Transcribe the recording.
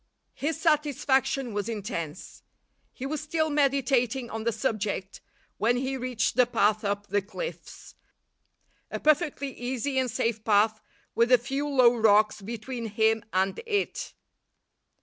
His satisfaction was intense. He was still meditating on the subject when he reached the path up the cliffs; a perfectly easy and safe path with a few low rocks between him and it.